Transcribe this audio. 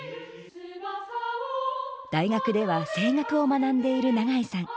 大学では声楽を学んでいる長井さん。